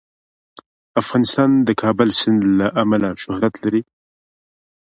افغانستان د د کابل سیند له امله شهرت لري.